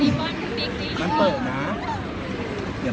อีฟอร์มมันน่ะนี่